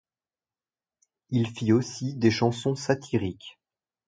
Il fit aussi des chansons satiriques.